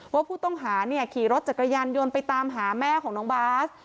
ว่าผู้ต้องหาเนี่ยขี่รถจักรยานยนต์ไปตามหาแม่ของน้องบาส